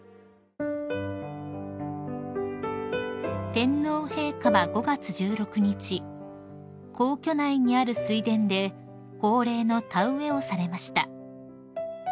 ［天皇陛下は５月１６日皇居内にある水田で恒例の田植えをされました］